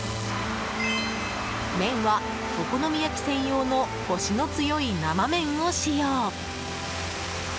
麺は、お好み焼き専用のコシの強い生麺を使用。